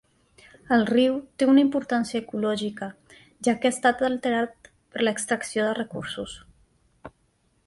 El riu té una importància ecològica, ja que ha estat alterat per l'extracció de recursos.